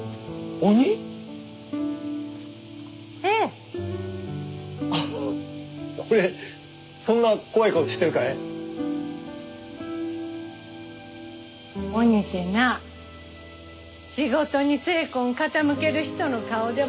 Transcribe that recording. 鬼ってな仕事に精魂傾ける人の顔でもあるん。